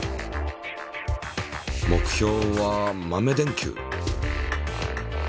目標は豆電球。